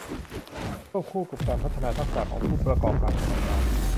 ควบคู่ไปกับการพัฒนาทักษะของผู้ประกอบการขนาดกลาง